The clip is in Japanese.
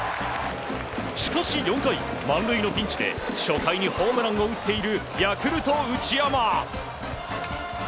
しかし４回、満塁のピンチで初回にホームランを打っているヤクルト、内山。